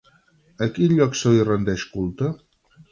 A quin lloc se li rendeix culte?